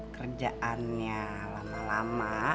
kerjaannya lama lama